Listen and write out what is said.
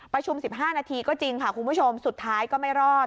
ประชุม๑๕นาทีก็จริงค่ะคุณผู้ชมสุดท้ายก็ไม่รอด